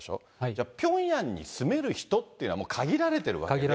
じゃあ、ピョンヤンに住める人っていうのはもう限られてるわけで。